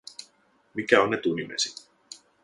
Mikä on etunimesi?